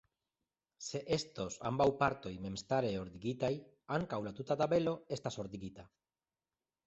Se estos ambaŭ partoj memstare ordigitaj, ankaŭ la tuta tabelo estas ordigita.